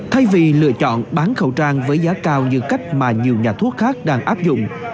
thay vì lựa chọn bán khẩu trang với giá cao như cách mà nhiều nhà thuốc khác đang áp dụng